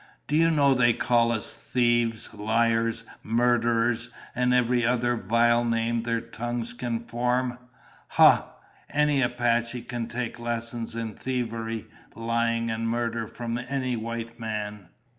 Do you know they call us thieves, liars, murderers, and every other vile name their tongues can form? Ha! Any Apache can take lessons in thievery, lying, and murder from any white man!"